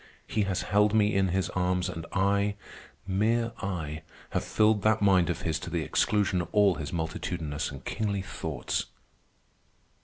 He has held me in his arms, and I, mere I, have filled that mind of his to the exclusion of all his multitudinous and kingly thoughts!"